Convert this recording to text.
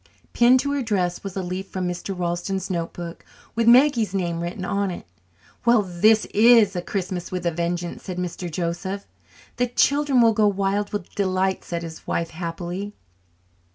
Pinned to her dress was a leaf from Mr. Ralston's notebook with Maggie's name written on it. "Well, this is Christmas with a vengeance," said Mr. Joseph. "The children will go wild with delight," said his wife happily.